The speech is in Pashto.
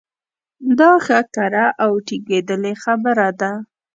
دا ښه کره او ټنګېدلې خبره ده.